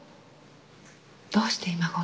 どうして今頃？